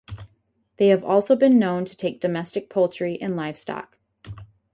They have also been known to take domestic poultry and livestock.